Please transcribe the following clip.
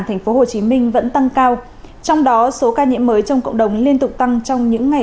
tp hcm vẫn tăng cao trong đó số ca nhiễm mới trong cộng đồng liên tục tăng trong những ngày